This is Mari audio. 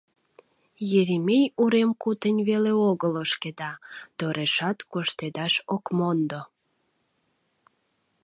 Еремей урем кутынь веле огыл ошкеда, торешат коштедаш ок мондо.